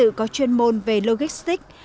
dự có chuyên môn về logistics